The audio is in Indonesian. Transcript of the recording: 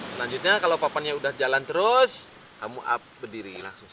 selanjutnya kalau papannya udah jalan terus kamu up berdiri langsung